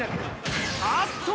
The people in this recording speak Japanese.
あっと。